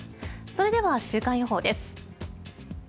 それでは週間予報です。